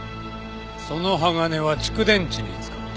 その鋼は蓄電池に使った。